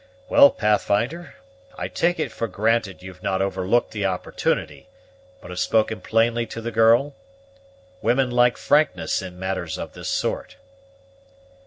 Well, Pathfinder, I take it for granted you've not overlooked the opportunity, but have spoken plainly to the girl? women like frankness in matters of this sort."